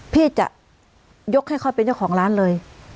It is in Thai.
พี่จะยกให้เขาเป็นเจ้าของร้านเลย